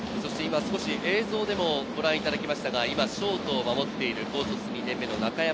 今少し映像でもご覧いただきましたが、ショートを守っている高卒２年目の中山